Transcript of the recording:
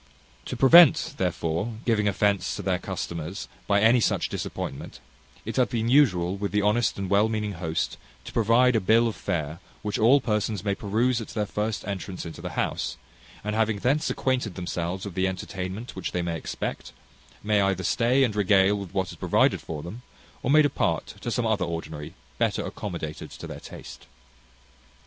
To prevent, therefore, giving offence to their customers by any such disappointment, it hath been usual with the honest and well meaning host to provide a bill of fare which all persons may peruse at their first entrance into the house; and having thence acquainted themselves with the entertainment which they may expect, may either stay and regale with what is provided for them, or may depart to some other ordinary better accommodated to their taste.